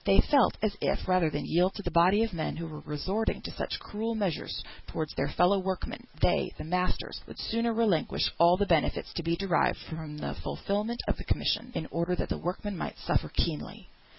They felt as if, rather than yield to the body of men who were resorting to such cruel measures towards their fellow workmen, they, the masters, would sooner relinquish all the benefits to be derived from the fulfilment of the commission, in order that the workmen might suffer keenly.